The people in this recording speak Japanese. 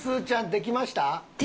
できました！